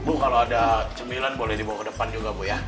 bu kalau ada cemilan boleh dibawa ke depan juga bu ya